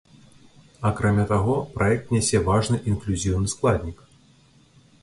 Акрамя таго, праект нясе важны інклюзіўны складнік.